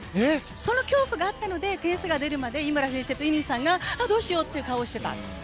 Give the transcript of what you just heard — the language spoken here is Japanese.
その恐怖があったので点数が出るまで井村先生と乾さんがどうしようという顔をしていた。